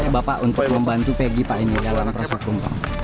bapak untuk membantu pegi pak ini dalam rasa tumpah